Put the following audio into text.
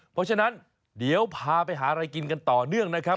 เพราะฉะนั้นเดี๋ยวพาไปหาอะไรกินกันต่อเนื่องนะครับ